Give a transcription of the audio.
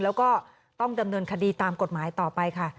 แล้วก็ต้องดำเนินคดีตามกฎหมายต่อไปค่ะ